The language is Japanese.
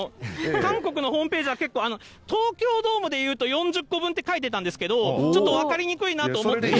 韓国のホームページは結構、東京ドームでいうと４０個分って書いてあったんですけど、ちょっと分かりにくいなと思って。